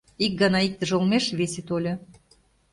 Ик гана иктыже олмеш весе тольо.